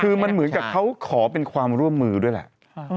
คือมันเหมือนกับเขาขอเป็นความร่วมมือด้วยแหละ